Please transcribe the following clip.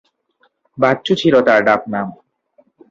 বাচ্চু’ ছিল তার ডাক নাম।